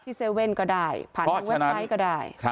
๗๑๑ก็ได้ผ่านทางเว็บไซต์ก็ได้